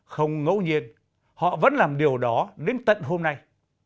không ngẫu nhiên họ vẫn làm điều đó đến tận hôm nay